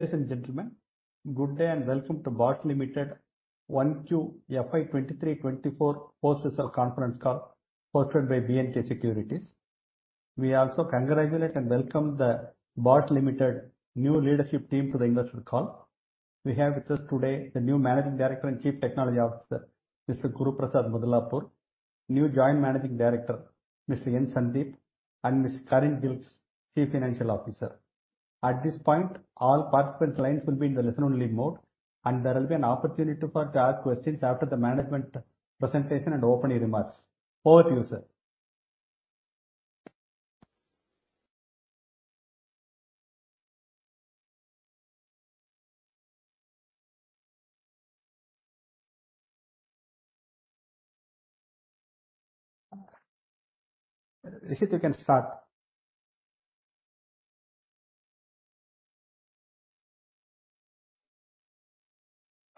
Ladies and gentlemen, good day and welcome to Bosch Limited 1Q FY 2023-2024 post-results conference call, hosted by BNK Securities. We also congratulate and welcome the Bosch Limited new leadership team to the investor call. We have with us today the new Managing Director and Chief Technology Officer, Mr. Guruprasad Mudlapur, new Joint Managing Director, Sandeep N., and Ms. Karin Gilges, Chief Financial Officer. At this point, all participant lines will be in the listen-only mode, and there will be an opportunity for to ask questions after the management presentation and opening remarks. Over to you, sir. Rishit, you can start.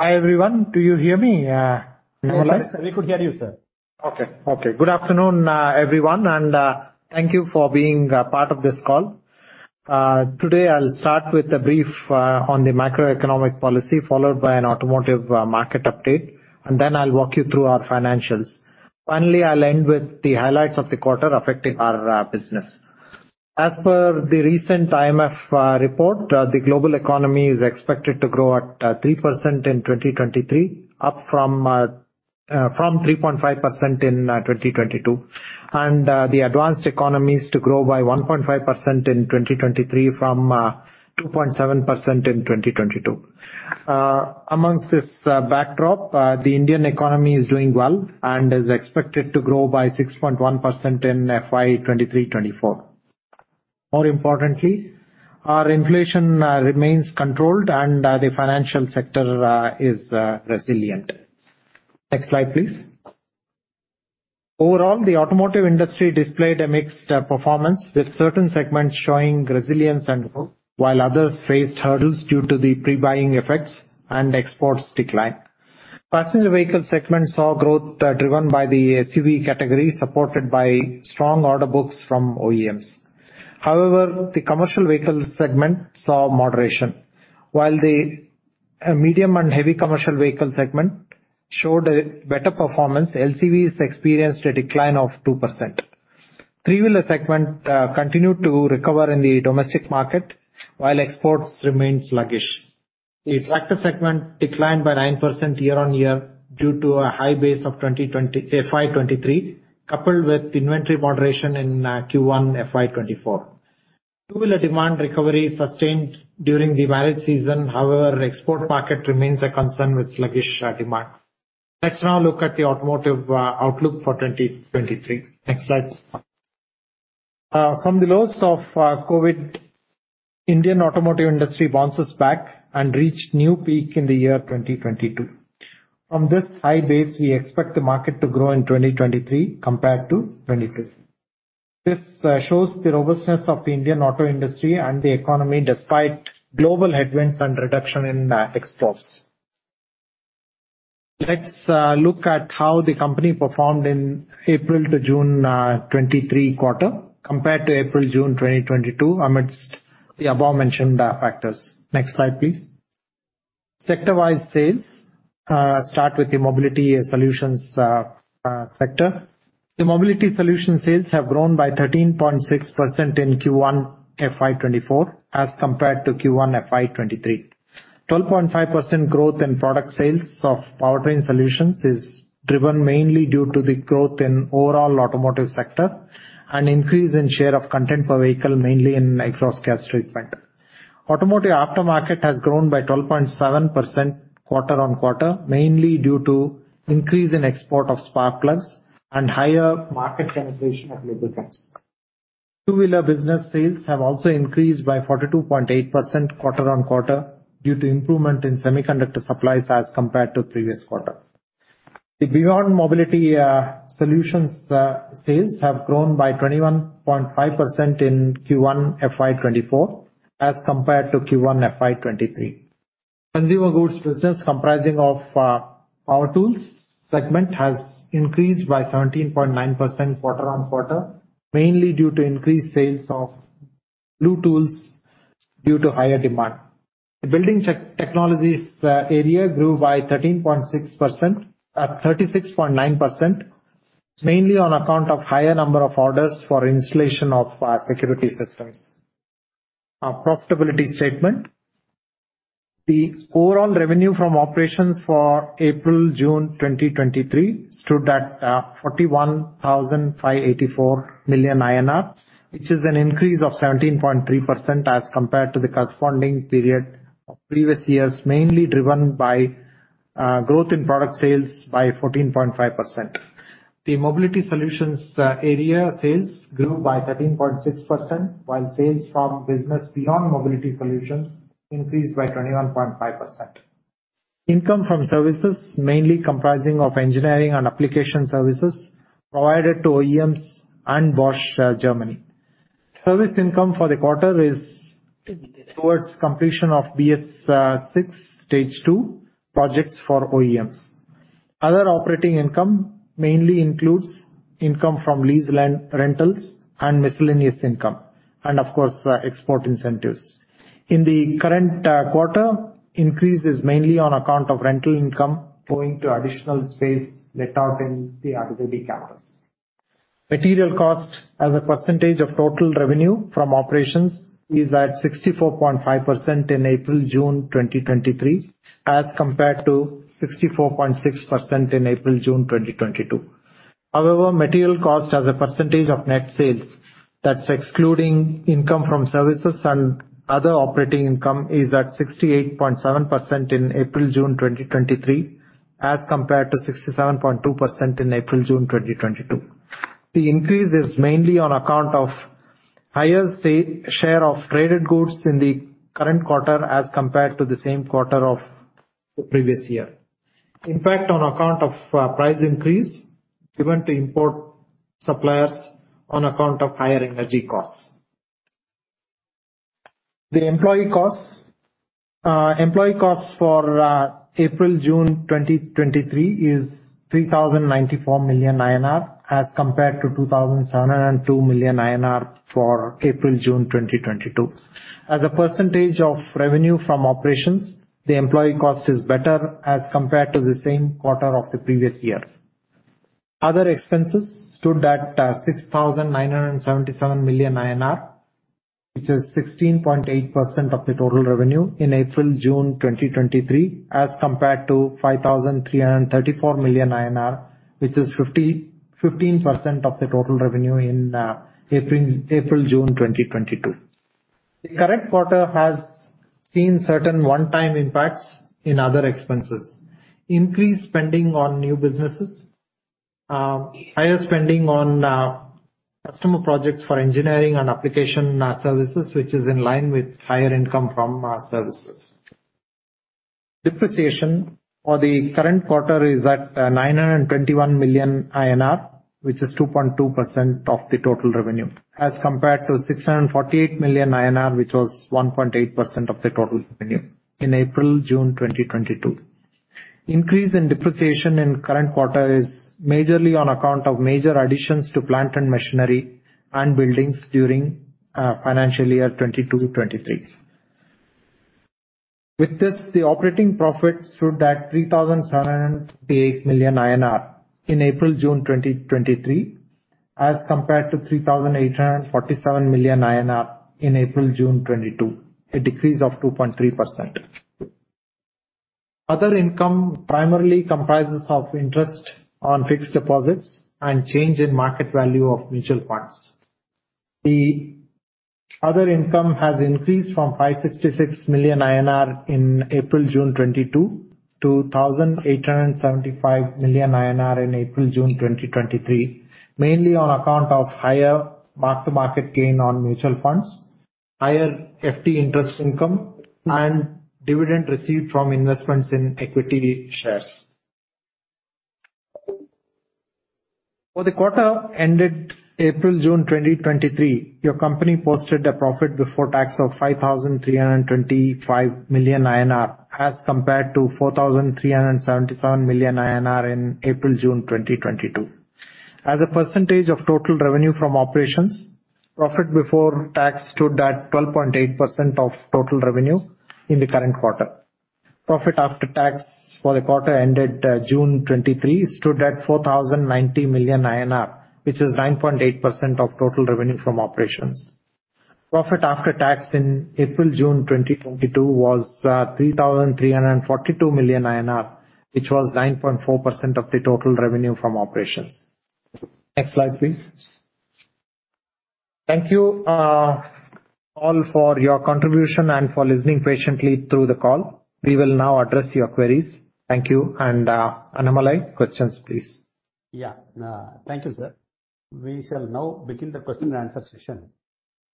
Hi, everyone. Do you hear me, alright? We could hear you, sir. Okay. Okay. Good afternoon, everyone, thank you for being part of this call. Today, I'll start with a brief on the macroeconomic policy, followed by an automotive market update, then I'll walk you through our financials. Finally, I'll end with the highlights of the quarter affecting our business. As per the recent IMF report, the global economy is expected to grow at 3% in 2023, up from 3.5% in 2022. The advanced economies to grow by 1.5% in 2023, from 2.7% in 2022. Amongst this backdrop, the Indian economy is doing well and is expected to grow by 6.1% in FY 2023-2024. More importantly, our inflation remains controlled and the financial sector is resilient. Next slide, please. Overall, the automotive industry displayed a mixed performance, with certain segments showing resilience and growth, while others faced hurdles due to the pre-buying effects and exports decline. Passenger vehicle segment saw growth, driven by the SUV category, supported by strong order books from OEMs. However, the commercial vehicle segment saw moderation. While the medium and heavy commercial vehicle segment showed a better performance, LCVs experienced a decline of 2%. Three-wheeler segment continued to recover in the domestic market, while exports remained sluggish. The tractor segment declined by 9% year on year, due to a high base of FY 2023, coupled with inventory moderation in Q1 FY 2024. Two-wheeler demand recovery sustained during the marriage season, however, export market remains a concern with sluggish demand. Let's now look at the automotive outlook for 2023. Next slide. From the lows of COVID, Indian automotive industry bounces back and reached new peak in the year 2022. From this high base, we expect the market to grow in 2023 compared to 2022. This shows the robustness of the Indian auto industry and the economy, despite global headwinds and reduction in exports. Let's look at how the company performed in April to June 2023 quarter, compared to April, June 2022, amidst the above-mentioned factors. Next slide, please. Sector-wise sales start with the mobility solutions sector. The mobility solution sales have grown by 13.6% in Q1 FY2024, as compared to Q1 FY2023. 12.5% growth in product sales of powertrain solutions is driven mainly due to the growth in overall automotive sector, and increase in share of content per vehicle, mainly in exhaust-gas treatment. Automotive aftermarket has grown by 12.7% quarter-on-quarter, mainly due to increase in export of spark plugs and higher market penetration of lubricants. Two-wheeler business sales have also increased by 42.8% quarter-on-quarter, due to improvement in semiconductor supplies as compared to previous quarter. The beyond mobility solutions sales have grown by 21.5% in Q1 FY2024, as compared to Q1 FY2023. Consumer goods business, comprising of Power Tools segment, has increased by 17.9% quarter-over-quarter, mainly due to increased sales of new tools due to higher demand. The Building Technologies, area grew by 13.6%, 36.9%, mainly on account of higher number of orders for installation of security systems. Our profitability statement. The overall revenue from operations for April, June 2023, stood at 41,584 million INR, which is an increase of 17.3% as compared to the corresponding period of previous years, mainly driven by growth in product sales by 14.5%. The Mobility Solutions area sales grew by 13.6%, while sales from business beyond Mobility Solutions increased by 21.5%. Income from services, mainly comprising of engineering and application services provided to OEMs and Bosch, Germany. Service income for the quarter is towards completion of BS6 Stage 2 projects for OEMs. Other operating income mainly includes income from lease land rentals and miscellaneous income, and of course, export incentives. In the current quarter, increase is mainly on account of rental income owing to additional space let out in the RZD campus. Material cost as a percentage of total revenue from operations is at 64.5% in April-June 2023, as compared to 64.6% in April-June 2022. However, material cost as a percentage of net sales, that's excluding income from services and other operating income, is at 68.7% in April-June 2023, as compared to 67.2% in April-June 2022. The increase is mainly on account of higher share of traded goods in the current quarter, as compared to the same quarter of the previous year. Impact on account of price increase given to import suppliers on account of higher energy costs. The employee costs. Employee costs for April-June 2023 is 3,094 million INR, as compared to 2,702 million INR for April-June 2022. As a percentage of revenue from operations, the employee cost is better as compared to the same quarter of the previous year. Other expenses stood at 6,977 million INR, which is 16.8% of the total revenue in April-June 2023, as compared to 5,334 million INR, which is 15% of the total revenue in April-June 2022. The current quarter has seen certain one-time impacts in other expenses. Increased spending on new businesses, higher spending on customer projects for engineering and application services, which is in line with higher income from services. Depreciation for the current quarter is at 921 million INR, which is 2.2% of the total revenue, as compared to 648 million INR, which was 1.8% of the total revenue in April-June 2022. Increase in depreciation in current quarter is majorly on account of major additions to plant and machinery and buildings during financial year 2022/2023. With this, the operating profit stood at 3,738 million INR in April-June 2023, as compared to 3,847 million INR in April-June 2022, a decrease of 2.3%. Other income primarily comprises of interest on fixed deposits and change in market value of mutual funds. The other income has increased from 566 million INR in April-June 2022 to 1,875 million INR in April-June 2023, mainly on account of higher mark-to-market gain on mutual funds, higher FD interest income, and dividend received from investments in equity shares. For the quarter ended April-June 2023, your company posted a profit before tax of 5,325 million INR, as compared to 4,377 million INR in April-June 2022. As a percentage of total revenue from operations, profit before tax stood at 12.8% of total revenue in the current quarter. Profit after tax for the quarter ended June 2023, stood at 4,090 million INR, which is 9.8% of total revenue from operations. Profit after tax in April-June 2022 was 3,342 million INR, which was 9.4% of the total revenue from operations. Next slide, please. Thank you all for your contribution and for listening patiently through the call. We will now address your queries. Thank you, and Annamalai, questions, please. Thank you, sir. We shall now begin the question and answer session.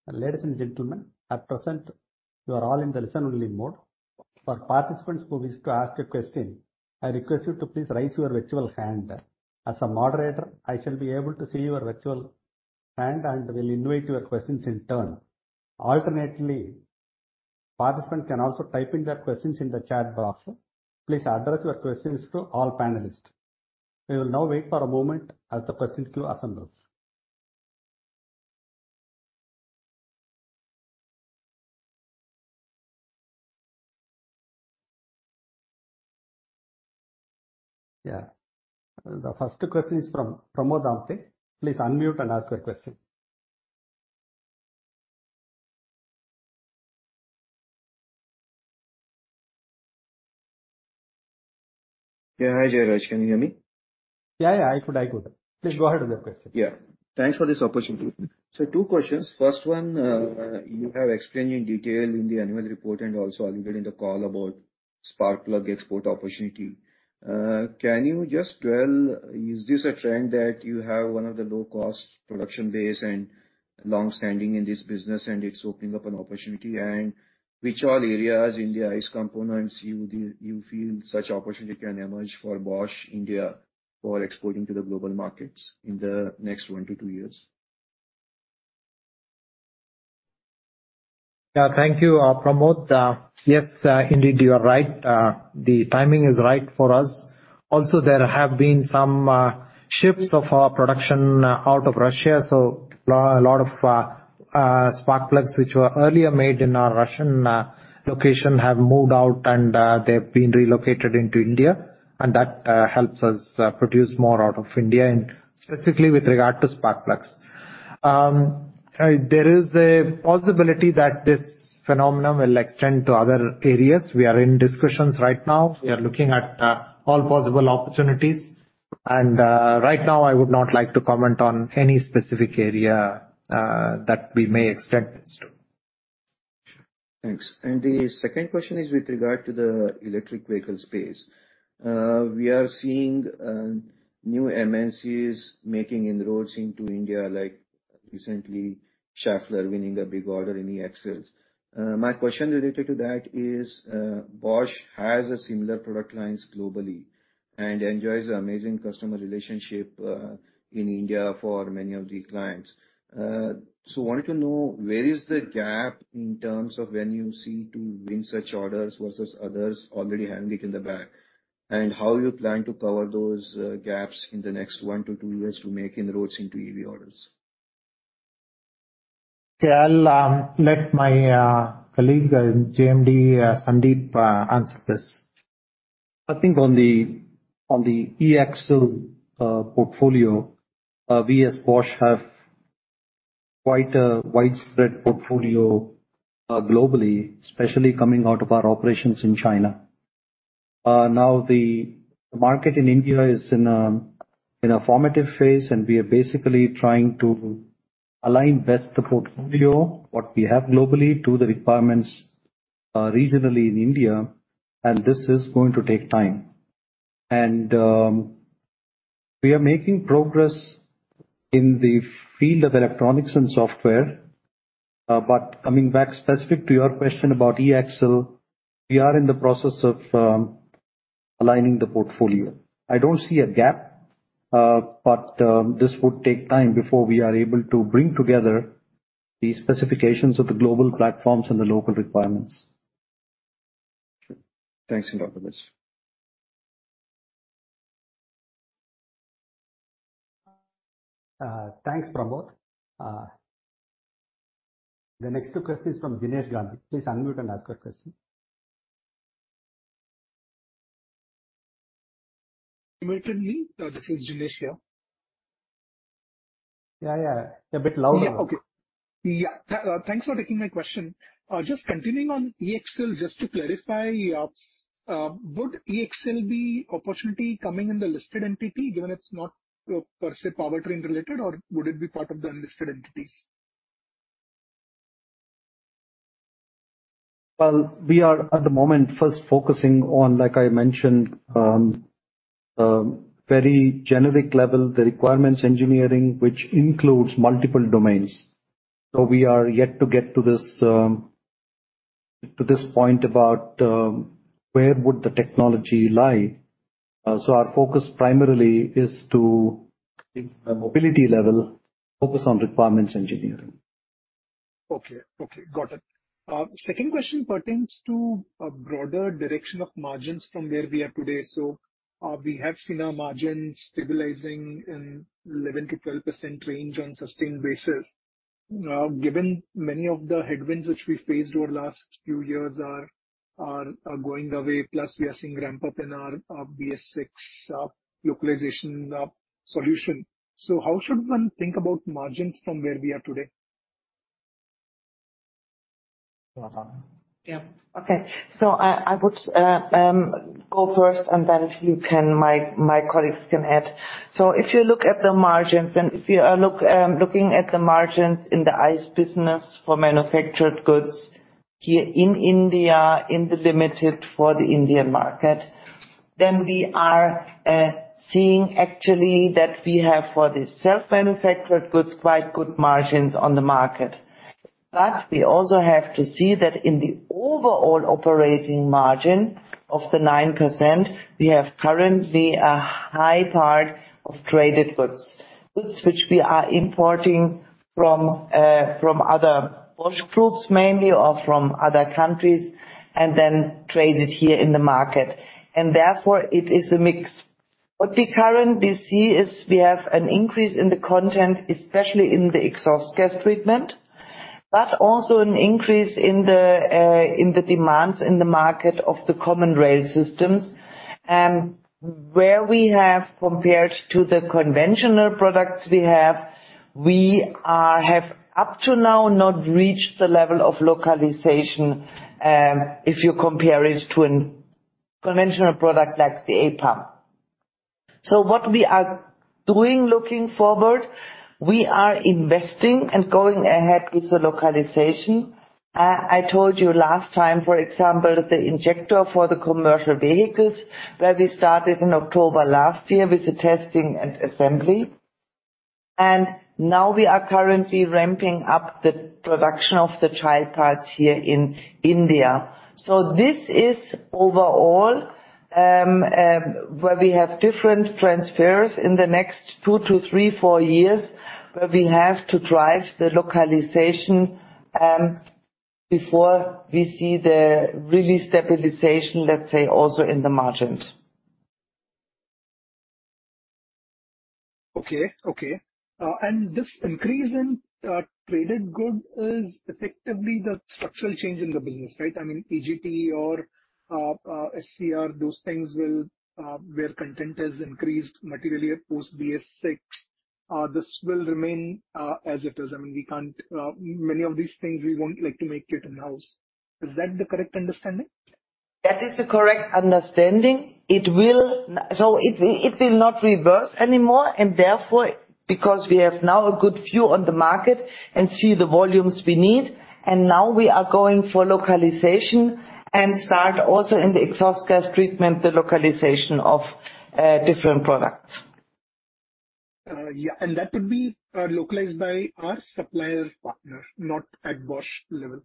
Ladies and gentlemen, at present, you are all in the listen-only mode. For participants who wish to ask a question, I request you to please raise your virtual hand. As a moderator, I shall be able to see your virtual hand, and will invite your questions in turn. Alternately, participants can also type in their questions in the chat box. Please address your questions to all panelists. We will now wait for a moment as the question queue assembles. The first question is from Pramod Amthe. Please unmute and ask your question. Yeah. Hi, Jayraj. Can you hear me? Yeah, yeah, I could, I could. Please go ahead with your question. Yeah. Thanks for this opportunity. So two questions. First one, you have explained in detail in the annual report, and also already in the call, about spark plug export opportunity. Can you just tell, is this a trend that you have one of the low cost production base and long-standing in this business, and it's opening up an opportunity? Which all areas India is components you feel such opportunity can emerge for Bosch India for exporting to the global markets in the next 1-2 years? Yeah, thank you, Pramod. Yes, indeed, you are right. The timing is right for us. Also, there have been some shifts of our production out of Russia, so a lot, a lot of spark plugs, which were earlier made in our Russian location, have moved out, and they've been relocated into India, and that helps us produce more out of India, and specifically with regard to spark plugs. There is a possibility that this phenomenon will extend to other areas. We are in discussions right now. We are looking at all possible opportunities, and right now, I would not like to comment on any specific area that we may extend this to. Thanks. The second question is with regard to the electric vehicle space. We are seeing new MNCs making inroads into India, like recently, Schaeffler winning a big order in the axles. My question related to that is, Bosch has a similar product lines globally and enjoys amazing customer relationship in India for many of the clients. So wanted to know, where is the gap in terms of when you see to win such orders versus others already having it in the bag? How you plan to cover those gaps in the next 1-2 years to make inroads into EV orders? Yeah, I'll let my colleague, JMD, Sandeep, answer this. I think on the, on the eAxle portfolio, we as Bosch, have quite a widespread portfolio, globally, especially coming out of our operations in China. The market in India is in a, in a formative phase, and we are basically trying to align best the portfolio, what we have globally, to the requirements, regionally in India, and this is going to take time. We are making progress in the field of electronics and software. Coming back specific to your question about eAxle, we are in the process of aligning the portfolio. I don't see a gap, but this would take time before we are able to bring together the specifications of the global platforms and the local requirements. Thanks a lot for this. Thanks, Pramod. The next two question is from Dinesh Gangwani. Please unmute and ask your question. Immediately. This is Dinesh here. Yeah, yeah. A bit louder. Yeah. Okay. Yeah. Th- thanks for taking my question. Just continuing on eAxle, just to clarify, would eAxle be opportunity coming in the listed entity, given it's not, per se, powertrain related, or would it be part of the unlisted entities? Well, we are, at the moment, first focusing on, like I mentioned, very generic level, the requirements engineering, which includes multiple domains. We are yet to get to this, to this point about, where would the technology lie. Our focus primarily is to, the mobility level, focus on requirements engineering. Okay. Okay, got it. Second question pertains to a broader direction of margins from where we are today. We have seen our margins stabilizing in 11%-12% range on sustained basis. Given many of the headwinds which we faced over the last few years are, are, are going away, plus we are seeing ramp-up in our BS6 localization solution. How should one think about margins from where we are today? Karin? Yeah. Okay. I, I would go first, and then if you can, my, my colleagues can add. If you look at the margins, and if you are look, looking at the margins in the ICE business for manufactured goods here in India, in the limited for the Indian market, we are seeing actually that we have for the self-manufactured goods, quite good margins on the market. We also have to see that in the overall operating margin of the 9%, we we have currently a high part of traded goods. Goods which we are importing from, from other Bosch groups mainly, or from other countries, and then trade it here in the market. Therefore it is a mix. What we currently see is we have an increase in the content, especially in the exhaust-gas treatment, but also an increase in the demands in the market of the common rail system. Where we have compared to the conventional products we have, we have up to now not reached the level of localization, if you compare it to an conventional product like the APM. What we are doing looking forward, we are investing and going ahead with the localization. I told you last time, for example, the injector for the commercial vehicles, where we started in October last year with the testing and assembly, and now we are currently ramping up the production of the trial parts here in India. This is overall... where we have different transfers in the next 2-3, four years, where we have to drive the localization, before we see the really stabilization, let's say, also in the margins. Okay. Okay. This increase in, traded goods is effectively the structural change in the business, right? I mean, EGT or, SCR, those things will, where content has increased materially at post BS6, this will remain, as it is. I mean, we can't. Many of these things we won't like to make it in-house. Is that the correct understanding? That is the correct understanding. It will not reverse anymore, and therefore, because we have now a good view on the market and see the volumes we need, and now we are going for localization and start also in the exhaust-gas treatment, the localization of different products. Yeah, that would be localized by our supplier partner, not at Bosch level?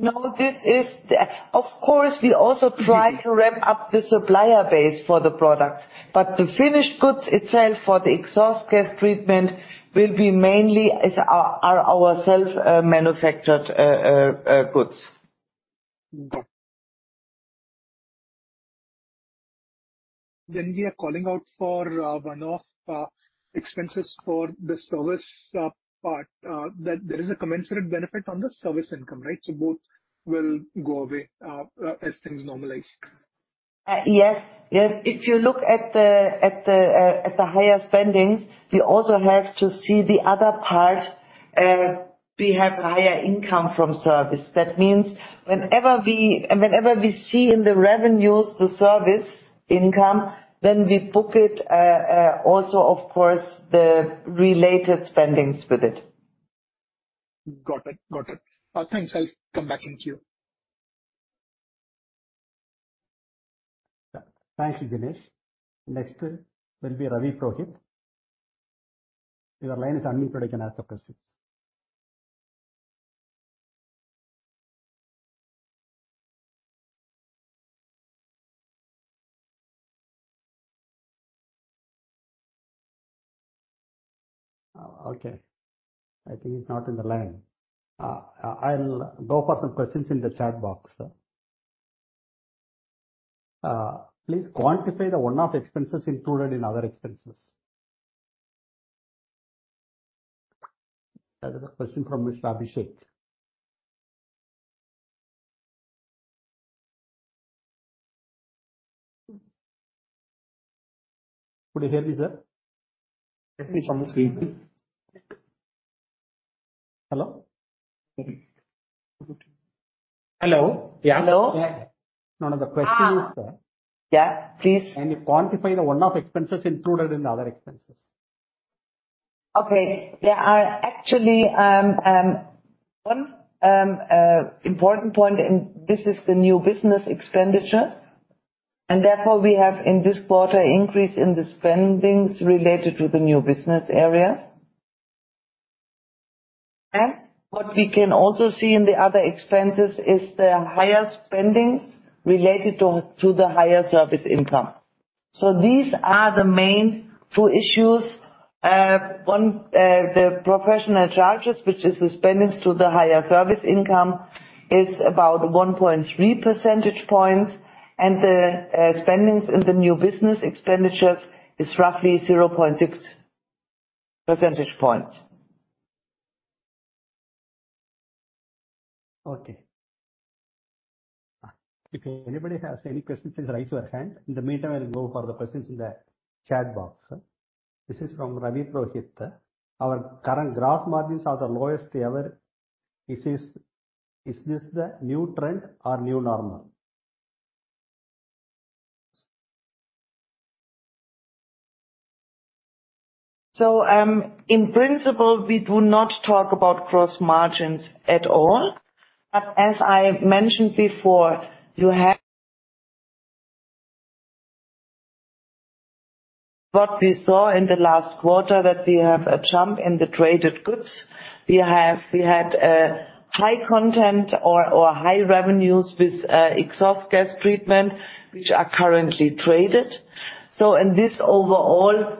No, this is the. Of course, we also try to ramp up the supplier base for the products, but the finished goods itself, for the exhaust-gas treatment, will be mainly as our, our self, manufactured, goods. Got it. We are calling out for one-off expenses for the service part, that there is a commensurate benefit on the service income, right? Both will go away as things normalize. Yes. Yes. If you look at the, at the, at the higher spendings, we also have to see the other part, we have higher income from service. That means whenever we, whenever we see in the revenues, the service income, then we book it, also, of course, the related spendings with it. Got it. Got it. Thanks. I'll come back to you. Thank you, Dinesh. Next will be Ravi Purohit. Your line is unmuted, you can ask your questions. Okay. I think he's not on the line. I'll go for some questions in the chat box, sir. Please quantify the one-off expenses included in other expenses. That is a question from Mr. Abhishek. Could you hear me, sir? Hello? Hello. Hello? Yeah. No, the question is, sir- Yeah, please. Can you quantify the one-off expenses included in the other expenses? Okay. There are actually, one important point, and this is the new business expenditures, and therefore we have, in this quarter, increase in the spendings related to the new business areas. What we can also see in the other expenses is the higher spendings related to, to the higher service income. These are the main two issues. one, the professional charges, which is the spendings to the higher service income, is about 1.3 percentage points, and the spendings in the new business expenditures is roughly 0.6 percentage points. Okay. If anybody has any questions, please raise your hand. In the meantime, I'll go for the questions in the chat box. This is from Ravi Purohit. Our current gross margins are the lowest ever. Is this, is this the new trend or new normal? In principle, we do not talk about gross margins at all. As I mentioned before, what we saw in the last quarter, that we have a jump in the traded goods. We had a high content or, or high revenues with exhaust-gas treatment, which are currently traded. In this overall,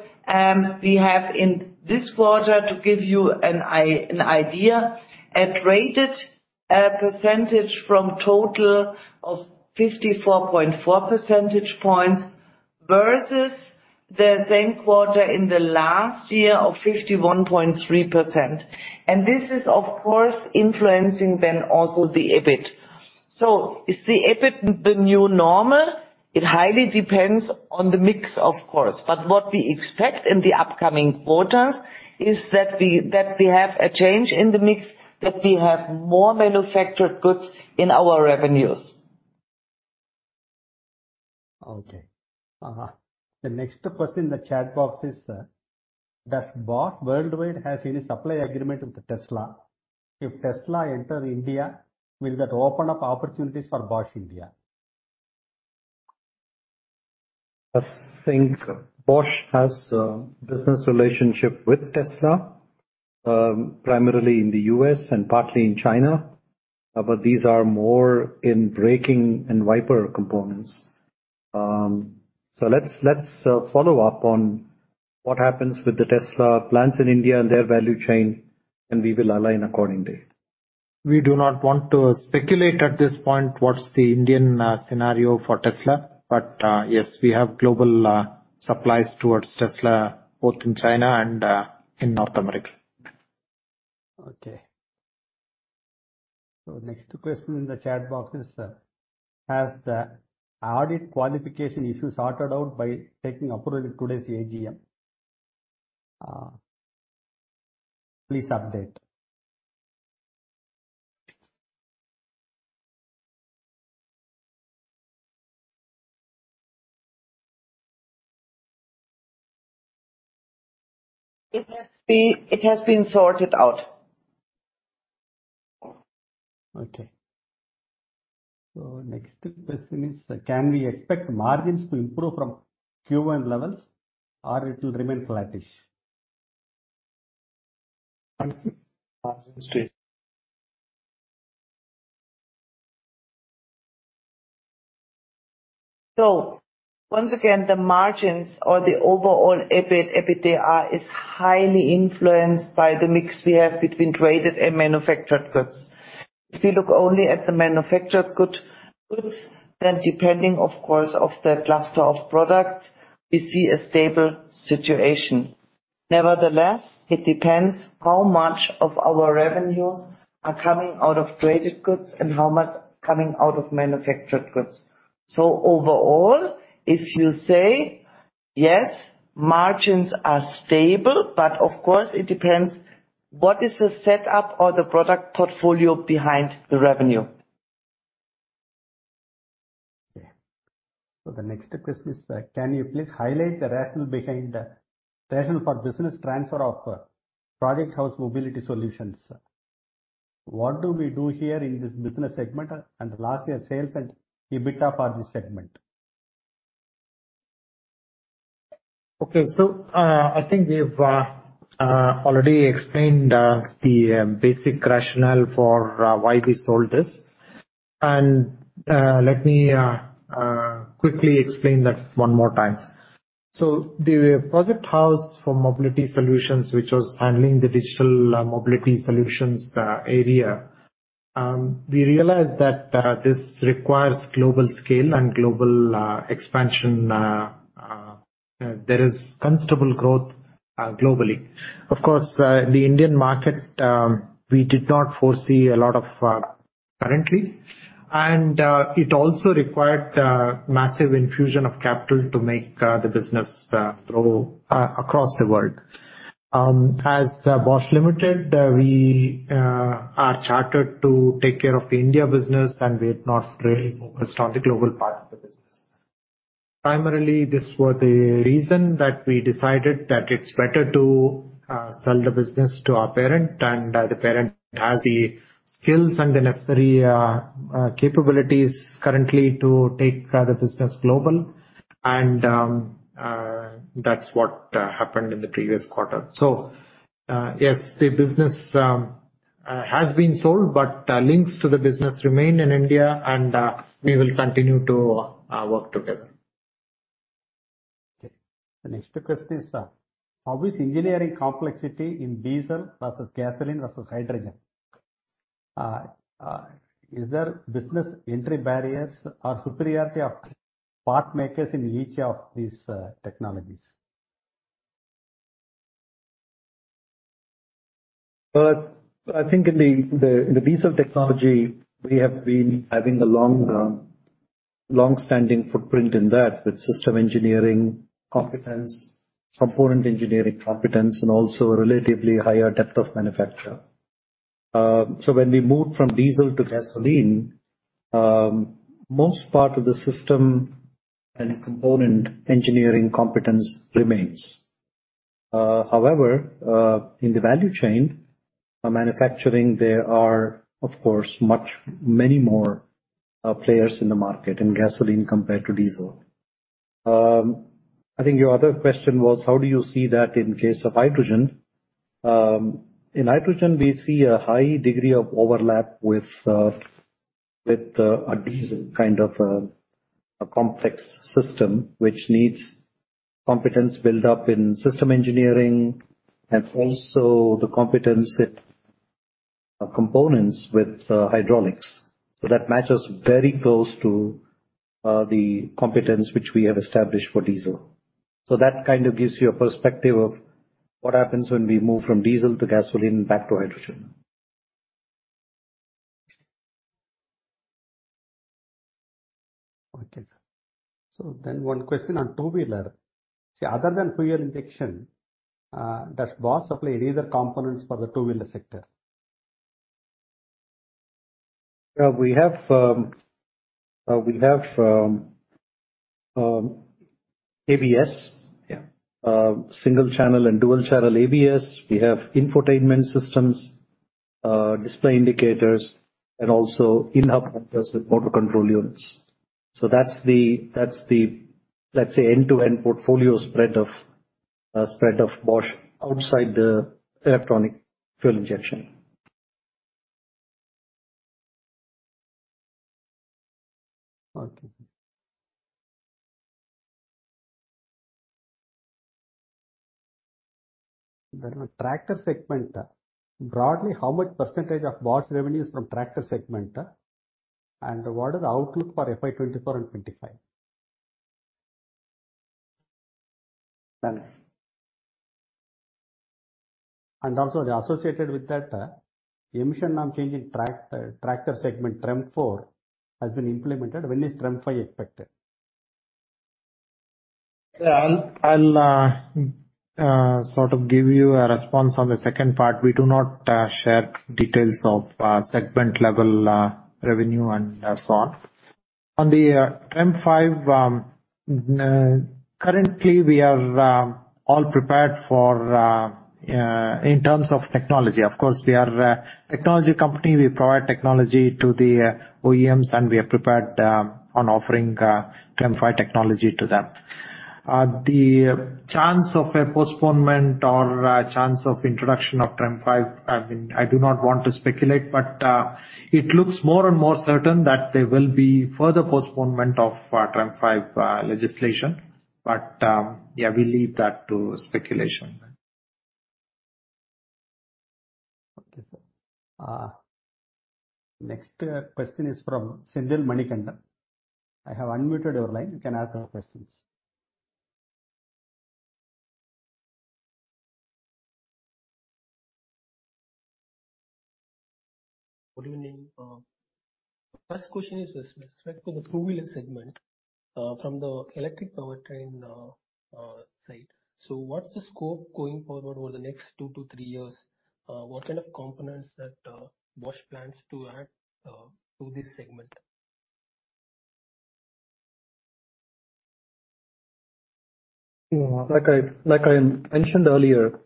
we have in this quarter, to give you an idea, a traded percentage from total of 54.4 percentage points, versus the same quarter in the last year of 51.3%. This is, of course, influencing then also the EBIT. Is the EBIT the new normal? It highly depends on the mix, of course, but what we expect in the upcoming quarters is that we, that we have a change in the mix, that we have more manufactured goods in our revenues. Okay. Uh-huh. The next question in the chat box is: Does Bosch Group has any supply agreement with Tesla? If Tesla enter India, will that open up opportunities for Bosch India? I think Bosch has a business relationship with Tesla, primarily in the U.S. and partly in China, but these are more in braking and wiper components. Let's, let's, follow up on what happens with the Tesla plans in India and their value chain, and we will align accordingly. We do not want to speculate at this point what's the Indian scenario for Tesla. Yes, we have global supplies towards Tesla, both in China and in North America. Okay. Next question in the chat box is: Has the audit qualification issue sorted out by taking approval in today's AGM? Please update. It has been, it has been sorted out. Next question is: Can we expect margins to improve from Q1 levels, or it will remain flattish? Margins stay. Once again, the margins or the overall EBIT, EBITDA is highly influenced by the mix we have between traded and manufactured goods. If you look only at the manufactured goods, then depending, of course, of the cluster of products, we see a stable situation. Nevertheless, it depends how much of our revenues are coming out of traded goods and how much coming out of manufactured goods. Overall, if you say, yes, margins are stable, but of course it depends, what is the setup or the product portfolio behind the revenue? Okay. The next question is: Can you please highlight the rationale behind the rationale for business transfer of Project House Mobility Solutions? What do we do here in this business segment, and last year sales and EBITDA for this segment? Okay. I think we've already explained the basic rationale for why we sold this. Let me quickly explain that one more time. The Project House for Mobility Solutions, which was handling the digital mobility solutions area, we realized that this requires global scale and global expansion. There is considerable growth globally. Of course, the Indian market, we did not foresee a lot of currently, and it also required massive infusion of capital to make the business grow across the world. As Bosch Limited, we are chartered to take care of the India business, and we're not really focused on the global part of the business. Primarily, this was the reason that we decided that it's better to sell the business to our parent, and the parent has the skills and the necessary capabilities currently to take the business global. That's what happened in the previous quarter. Yes, the business has been sold, but links to the business remain in India, and we will continue to work together. Okay. The next question is: How is engineering complexity in diesel versus gasoline versus hydrogen? Is there business entry barriers or superiority of part makers in each of these technologies? Well, I think in the, the, in the diesel technology, we have been having a long, long-standing footprint in that, with system engineering competence, component engineering competence, and also a relatively higher depth of manufacture. When we moved from diesel to gasoline, most part of the system and component engineering competence remains. In the value chain, manufacturing, there are, of course, much, many more, players in the market in gasoline compared to diesel. I think your other question was, how do you see that in case of hydrogen? In hydrogen, we see a high degree of overlap with, with, a diesel kind of, a complex system, which needs competence build-up in system engineering and also the competence with, components with, hydraulics. That matches very close to the competence which we have established for diesel. That kind of gives you a perspective of what happens when we move from diesel to gasoline back to hydrogen. One question on two-wheeler. See, other than fuel injection, does Bosch supply any other components for the two-wheeler sector? We have ABS. Yeah. Single-channel and dual-channel ABS. We have infotainment systems.... display indicators and also in-hub motors with motor control units. That's the, that's the, let's say, end-to-end portfolio spread of Bosch outside the electronic fuel injection. Okay. In the tractor segment, broadly, how much % of Bosch revenue is from tractor segment? What is the outlook for FY 2024 and 2025? Also, the associated with that, emission norm change in track, tractor segment, TREM IV, has been implemented. When is TREM V expected? Yeah, I'll, I'll sort of give you a response on the second part. We do not share details of segment-level revenue and so on. On the TREM V, currently, we are all prepared for in terms of technology. Of course, we are a technology company. We provide technology to the OEMs, and we are prepared on offering TREM V technology to them. The chance of a postponement or a chance of introduction of TREM V, I mean, I do not want to speculate, but it looks more and more certain that there will be further postponement of TREM V legislation. Yeah, we leave that to speculation. Okay, sir. Next, question is from Senthil Manikandan. I have unmuted your line. You can ask your questions. Good evening. First question is with respect to the two-wheeler segment, from the electric powertrain side. What's the scope going forward over the next two to three years? What kind of components that Bosch plans to add to this segment? Yeah. Like I, like I mentioned earlier,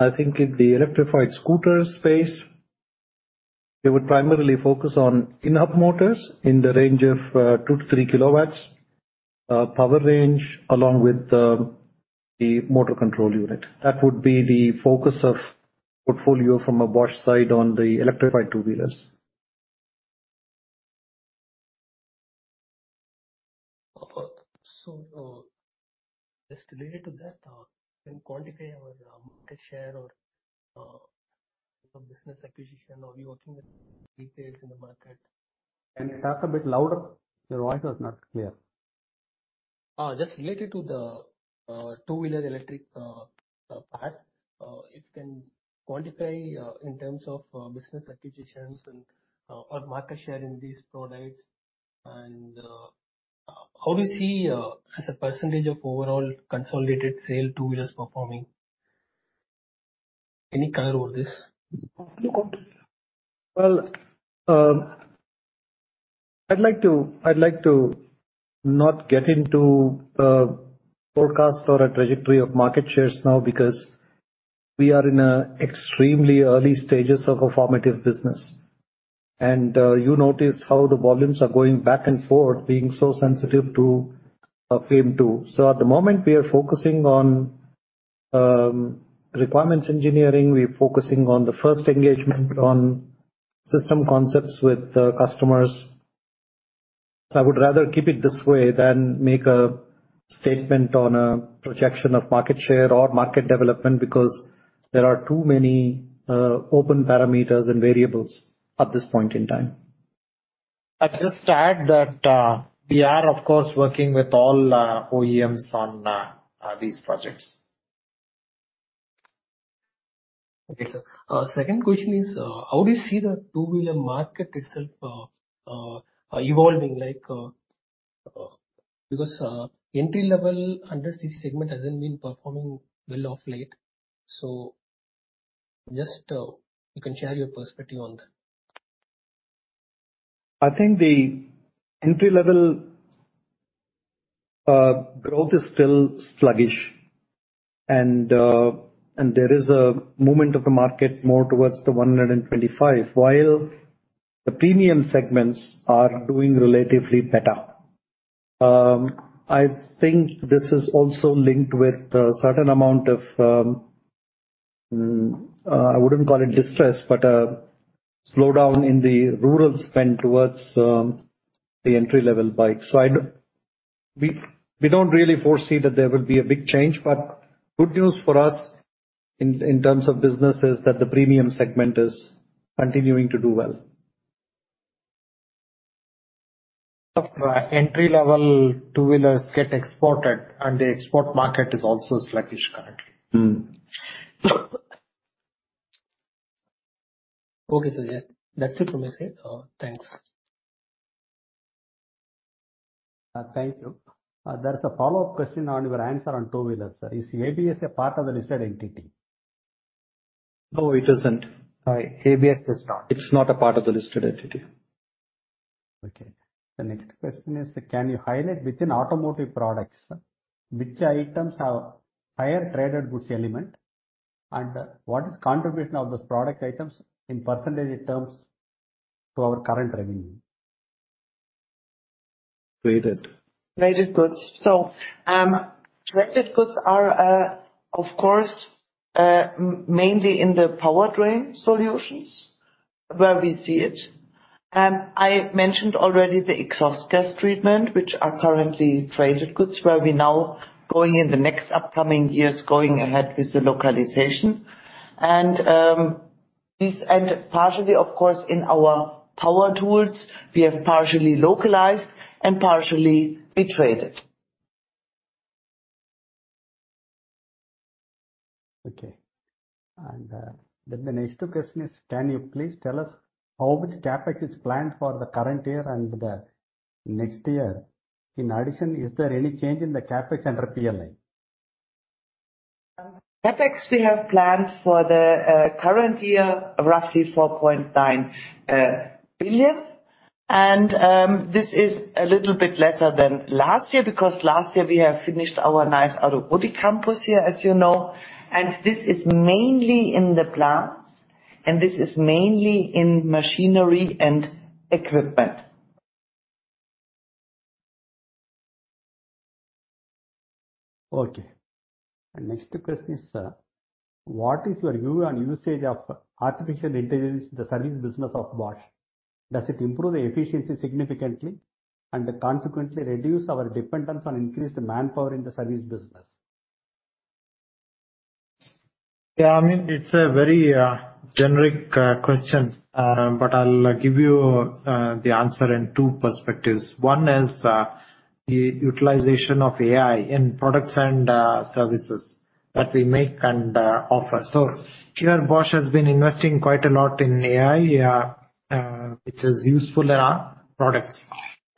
I think in the electrified scooter space, we would primarily focus on in-hub motors in the range of 2-3 KW power range, along with the motor control unit. That would be the focus of portfolio from a Bosch side on the electrified two-wheelers. Just related to that, can you quantify our market share or business acquisition? Are we working with key players in the market? Can you talk a bit louder? Your voice was not clear. e two-wheeler electric part, if you can quantify in terms of business acquisitions and or market share in these products, and how do you see as a percentage of overall consolidated sale, two-wheelers performing? Any color over this look on? Well, I'd like to, I'd like to not get into forecast or a trajectory of market shares now, because we are in a extremely early stages of a formative business. You noticed how the volumes are going back and forth, being so sensitive to FAME II. At the moment, we are focusing on requirements engineering, we're focusing on the first engagement on system concepts with the customers. I would rather keep it this way than make a statement on a projection of market share or market development, because there are too many open parameters and variables at this point in time. I just add that we are, of course, working with all OEMs on these projects. Okay, sir. Second question is, how do you see the two-wheeler market itself evolving? Like, because entry-level under this segment hasn't been performing well of late. Just, you can share your perspective on that. I think the entry-level growth is still sluggish, and there is a movement of the market more towards the 125, while the premium segments are doing relatively better. I think this is also linked with a certain amount of, I wouldn't call it distress, but a slowdown in the rural spend towards the entry-level bikes. I don't... We don't really foresee that there will be a big change, but good news for us in, in terms of business, is that the premium segment is continuing to do well. Of, entry-level two-wheelers get exported, and the export market is also sluggish currently. Mm-hmm. Okay, sir. Yeah, that's it from my side. Thanks. Thank you. There's a follow-up question on your answer on two-wheelers, sir. Is ABS a part of the listed entity? No, it isn't. ABS is not. It's not a part of the listed entity.... Okay. The next question is: Can you highlight within automotive products, which items have higher traded goods element, and what is contribution of those product items in % terms to our current revenue? Traded. Traded goods. Traded goods are, of course, mainly in the powertrain solutions, where we see it. I mentioned already the exhaust-gas treatment, which are currently traded goods, where we now going in the next upcoming years, going ahead with the localization. This, and partially, of course, in our power tools, we have partially localized and partially be traded. Okay. Then the next question is: Can you please tell us how much CapEx is planned for the current year and the next year? In addition, is there any change in the CapEx under P&L? CapEx, we have planned for the current year, roughly 4.9 billion. This is a little bit lesser than last year, because last year we have finished our nice Adugodi campus here, as you know, and this is mainly in the plants, and this is mainly in machinery and equipment. Okay. Next question is: What is your view on usage of artificial intelligence, the service business of Bosch? Does it improve the efficiency significantly and consequently reduce our dependence on increased manpower in the service business? Yeah, I mean, it's a very generic question, but I'll give you the answer in two perspectives. One is the utilization of AI in products and services that we make and offer. Here, Bosch has been investing quite a lot in AI, which is useful in our products,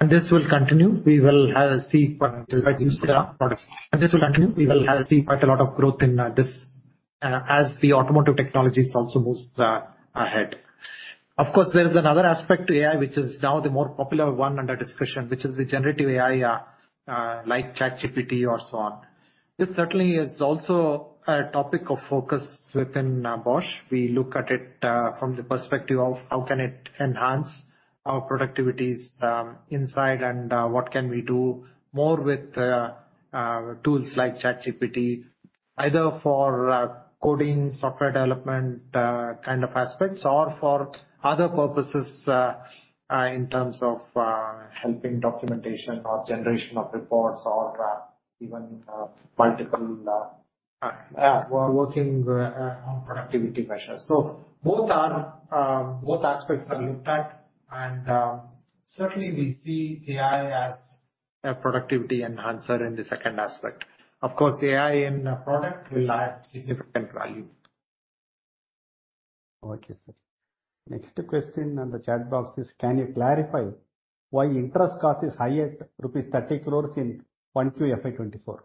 and this will continue. We will see what is used in our products. This will continue. We will see quite a lot of growth in this as the automotive technologies also moves ahead. Of course, there is another aspect to AI, which is now the more popular one under discussion, which is the generative AI, like ChatGPT or so on. This certainly is also a topic of focus within Bosch. We look at it, from the perspective of how can it enhance our productivities, inside, and, what can we do more with the, tools like ChatGPT, either for, coding, software development, kind of aspects, or for other purposes, in terms of, helping documentation or generation of reports or, even, multiple, we're working, on productivity measures. Both aspects are looked at, and certainly we see AI as a productivity enhancer in the second aspect. Of course, AI in a product will add significant value. Okay, sir. Next question on the chat box is: Can you clarify why interest cost is higher, rupees 30 crore in Q1 FY2024?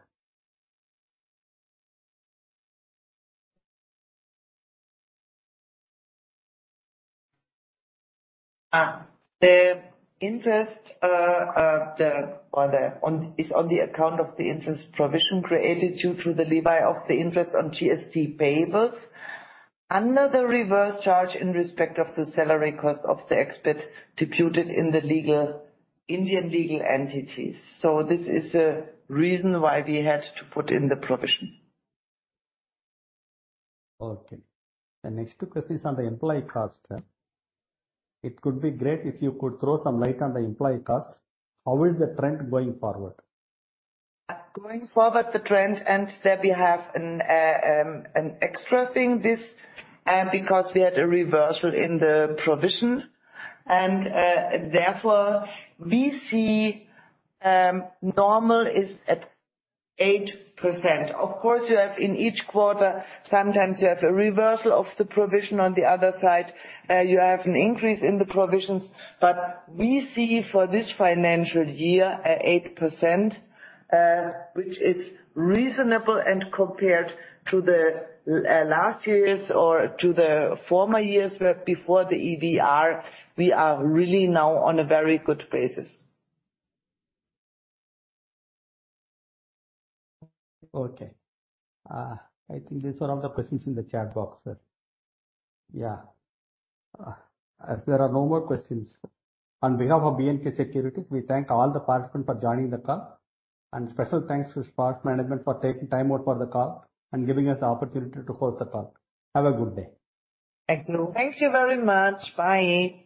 The interest is on the account of the interest provision created due to the levy of the interest on GST payables. Another reverse charge in respect of the salary cost of the experts deputed in the legal, Indian legal entities. This is a reason why we had to put in the provision. Okay. The next question is on the employee cost. It could be great if you could throw some light on the employee cost. How is the trend going forward? Going forward, the trend and that we have an an extra thing, this, because we had a reversal in the provision, and, therefore, we see normal is at 8%. Of course, you have in each quarter, sometimes you have a reversal of the provision, on the other side, you have an increase in the provisions. We see for this financial year, at 8%, which is reasonable and compared to the last year's or to the former years where before the EBR, we are really now on a very good basis. Okay. I think these are all the questions in the chat box, sir. As there are no more questions, on behalf of BNK Securities, we thank all the participants for joining the call. Special thanks to Bosch management for taking time out for the call and giving us the opportunity to host the call. Have a good day. Thank you. Thank you very much. Bye.